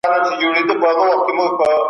تاسي باید تل تازه خواړه وخورئ.